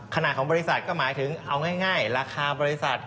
ขนาดของบริษัทก็หมายถึงเอาง่ายราคาบริษัท